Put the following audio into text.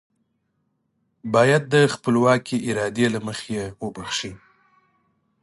بايد د خپلواکې ارادې له مخې يې وبښي.